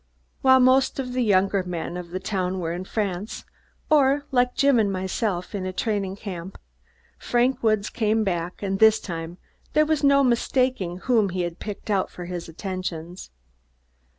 While most of the younger men of the town were in France, or, like Jim and myself, in a training camp, Frank Woods came back, and this time there was no mistaking whom he had picked out for his attentions.